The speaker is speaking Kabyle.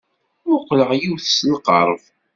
Mmuqqleɣ yiwet s lqerb.